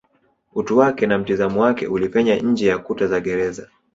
utu wake na mtizamo wake ulipenya nje ya kuta za gereza